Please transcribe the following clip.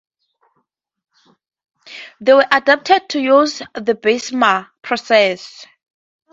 They were adapted to use the Bessemer process.